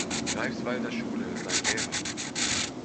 Greifswalder Schule, sein Lehrer.